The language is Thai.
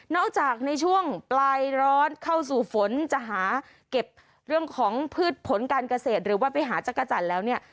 จากในช่วงปลายร้อนเข้าสู่ฝนจะหาเก็บเรื่องของพืชผลการเกษตรหรือว่าไปหาจักรจันทร์แล้วเนี่ย